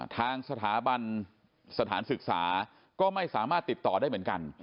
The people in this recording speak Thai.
ทางสถาบันสถานศึกษาก็ไม่สามารถติดต่อได้เหมือนกัน